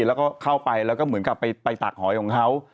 แล้วก็เข้าไปแล้วก็เหมือนกับไปตักหอยของเขา